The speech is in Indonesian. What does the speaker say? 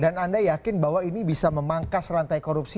dan anda yakin bahwa ini bisa memangkas rantai korupsi